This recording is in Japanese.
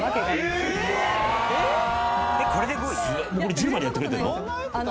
１０枚でやってくれてんの？